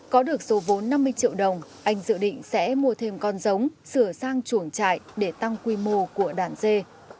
có được số vốn năm mươi triệu đồng anh dự định sẽ mua thêm con giống sửa sang chuồng trại để tăng quy mô của đàn dê